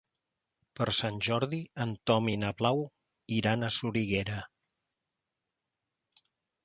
Per Sant Jordi en Tom i na Blau iran a Soriguera.